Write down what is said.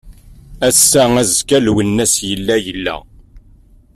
Ass-a, azekka Lwennas yella yella.